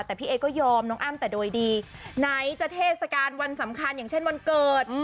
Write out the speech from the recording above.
แต่พี่เอ๊ก็ยอมน้องอ้ำแต่โดยดีไหนจะเทศกาลวันสำคัญอย่างเช่นวันเกิด